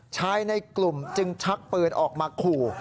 ในกลุ่มจึงชักปืนออกมาขู่